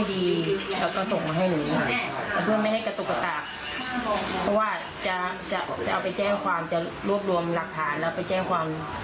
โดนหลายคนค่ะคนในตลาดแต่เขาไม่กล้าแจ้งความ